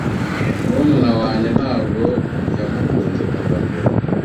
Murumuna wanjye ntabwo yamukunze kuva mbere.